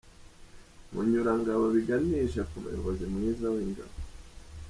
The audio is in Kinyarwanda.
Munyurangabo biganisha ku muyobozi mwiza w’ingabo.